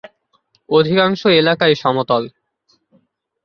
অধিকাংশ এলাকাই সমতল।